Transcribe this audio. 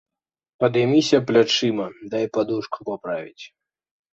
Падыміся плячыма, дай падушку паправіць.